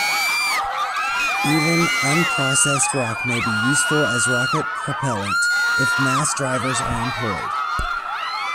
Even unprocessed rock may be useful as rocket propellant if mass drivers are employed.